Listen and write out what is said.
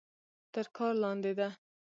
تر کار لاندې ده.